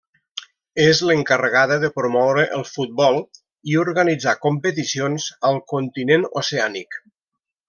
És l'encarregada de promoure el futbol i organitzar competicions al continent oceànic.